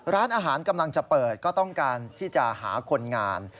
ร้านอาหารกำลังจะเปิดก็ต้องการที่จะหาคนงาน